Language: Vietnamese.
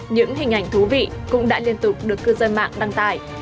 những hình ảnh thú vị cũng đã liên tục được cư dân mạng đăng tải